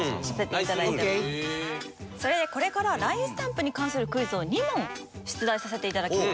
それでこれからＬＩＮＥスタンプに関するクイズを２問出題させていただきます。